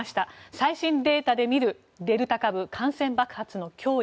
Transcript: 最新データで見るデルタ株、感染爆発の脅威。